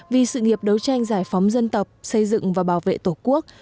vì sự nghiệp đấu tranh giải phóng dân tộc xây dựng và bảo vệ tổ quốc